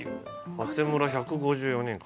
長谷村１５４人か。